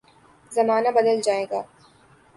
زمانہ بدل جائے گا۔